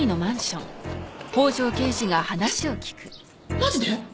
マジで？